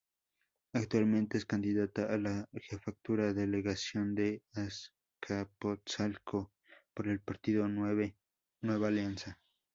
Actualmente es candidata a la Jefatura Delegacional de Azcapotzalco, por el Partido Nueva Alianza.